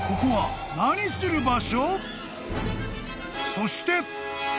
［そして］